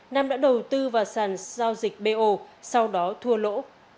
nam đã đầu tư vào sàn giao dịch bo sau đó thua lỗ